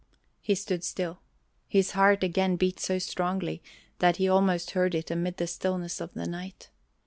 He stood still. His heart again beat so strongly that he almost heard it amid the stillness of the night.